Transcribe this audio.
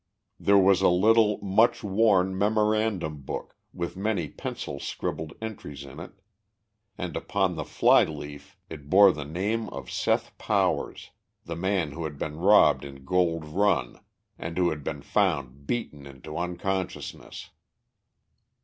There was a little, much worn memorandum book, with many pencil scribbled entries in it, and upon the fly leaf it bore the name of Seth Powers, the man who had been robbed in Gold Run and who had been found beaten into unconsciousness.